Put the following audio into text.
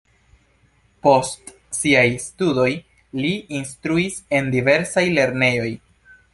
Post siaj studoj li instruis en diversaj lernejoj.